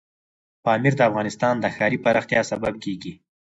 پامیر د افغانستان د ښاري پراختیا سبب کېږي.